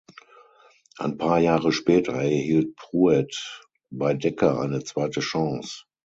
Ein paar Jahre später erhielt Pruett bei Decca eine zweite Chance.